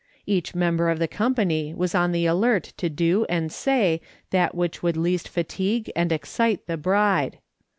Each member of the company was on the alert to do and say that which would least fatigue and excite the ftide.